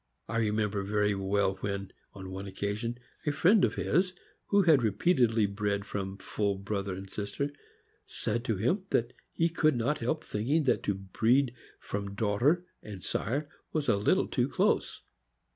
I remember very well when, on one occasion, a friend of his, who had repeatedly bred from full brother and sister, said to him that he could not help thinking that to breed from daughter and sire was a little too close.